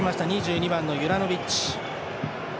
２２番のユラノビッチ。